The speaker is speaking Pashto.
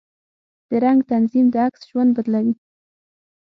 د رنګ تنظیم د عکس ژوند بدلوي.